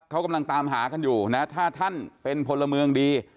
เขากำลังตามหากันอยู่นะถ้าท่านเป็นพลเมืองดี